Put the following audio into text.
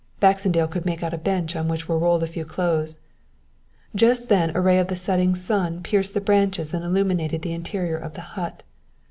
Baxendale could make out a bench on which were rolled a few clothes. "Just then a ray of the setting sun pierced the branches and illuminated the interior of the hut.